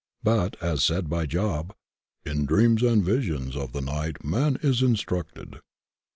But, as said by Job: ''In dreams and visions of the night man is in structed."